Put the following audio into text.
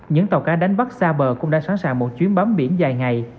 những tàu cá đánh bắt xa bờ cũng đã sẵn sàng một chuyến bắm biển dài ngày